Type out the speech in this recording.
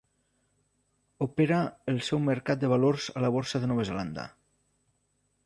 Opera el seu mercat de valors a la Borsa de Nova Zelanda.